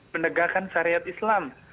penegakan syariat islam